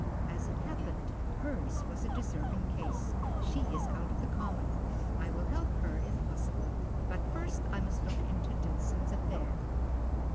As it happened, hers was a deserving case — she is out of the common. I will help her if possible, but first I must look into Dillson's affair.